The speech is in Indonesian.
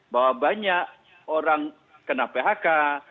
bahwa banyak orang kena phk